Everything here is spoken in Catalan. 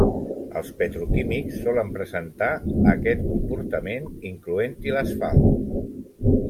Els petroquímics solen presentar aquest comportament, incloent-hi l'asfalt.